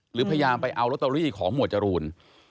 หรือพยายามไปเอาลอตเตอรี่ของหมวดจรูน